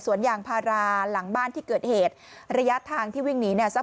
ยางพาราหลังบ้านที่เกิดเหตุระยะทางที่วิ่งหนีเนี่ยสัก